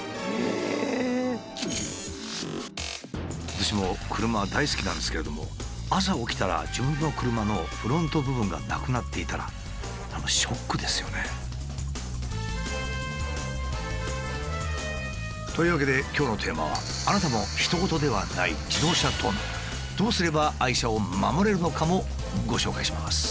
私も車大好きなんですけれども朝起きたら自分の車のフロント部分がなくなっていたら何かショックですよね。というわけで今日のテーマはどうすれば愛車を守れるのかもご紹介します。